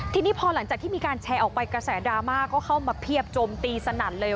ทีนี้พอหลังจากที่มีการแชร์ออกไปกระแสดราม่าก็เข้ามาเพียบโจมตีสนั่นเลย